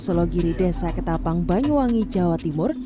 selogiri desa ketapang banyuwangi jawa timur